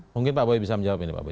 mungkin pak boy bisa menjawab ini pak